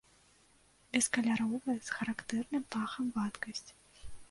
Бескаляровая, з характэрным пахам вадкасць.